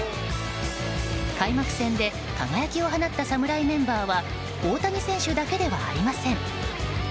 開幕戦で輝きを放った侍メンバーは大谷選手だけではありません。